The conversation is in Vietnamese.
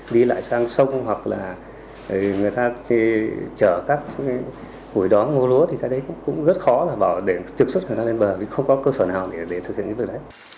đi lại sang sông hoặc là người ta chở các củi đó ngô lúa thì cái đấy cũng rất khó là để trực xuất người ta lên bờ vì không có cơ sở nào để thực hiện cái việc đấy